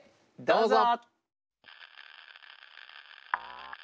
どうぞ。